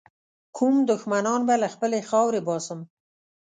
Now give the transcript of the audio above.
کوم دښمنان به له خپلي خاورې باسم.